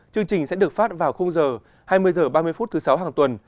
chương trình sẽ được phát vào h hai mươi h ba mươi phút thứ sáu hàng tuần